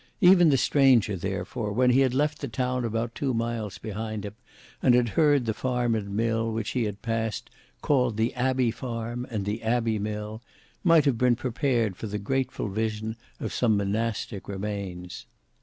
Even the stranger therefore when he had left the town about two miles behind him, and had heard the farm and mill which he had since passed, called the Abbey farm and the Abbey mill, might have been prepared for the grateful vision of some monastic remains.